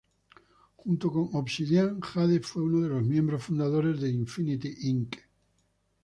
Junto con Obsidian, Jade fue uno de los miembros fundadores de Infinity Inc.